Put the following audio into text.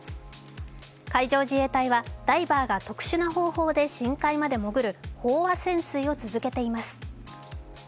海上自衛隊はダイバーが特殊な方法で深海まで潜る飽和潜水を続けています。